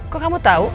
kok kamu tau